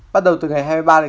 bắt đầu từ ngày hai mươi ba chín